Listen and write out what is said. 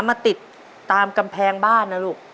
มาติดตามกำแพงบ้านนะลูก